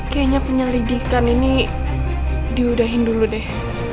kayaknya penyelidikan ini diudahin dulu deh